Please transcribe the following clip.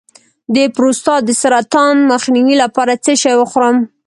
د پروستات د سرطان مخنیوي لپاره څه شی وخورم؟